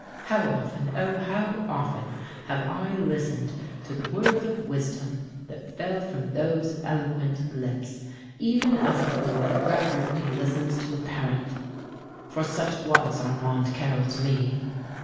How often, oh! how often have I listened to the words of wisdom that fell from those eloquent lips, even as a boy reverently listens to a parent for such was Armand Carrel to me.